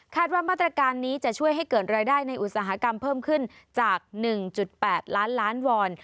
ว่ามาตรการนี้จะช่วยให้เกิดรายได้ในอุตสาหกรรมเพิ่มขึ้นจาก๑๘ล้านล้านวอน